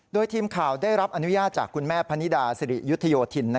โดยทีมข่าวได้รับอนุญาตจากคุณแม่พนิดาสิริยุทธโยธิน